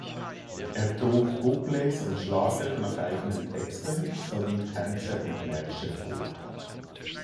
Er trug Couplets und Schlager nach eigenen Texten sowie Tänze und Märsche vor.